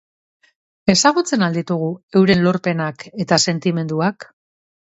Ezagutzen al ditugu euren lorpenak eta sentimenduak?